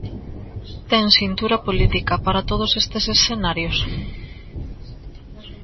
Ten cintura política para todos estes escenarios?